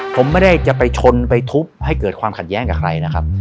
ผมไม่ได้จะไปชนไปทุบให้เกิดความขัดแย้งกับใครนะครับ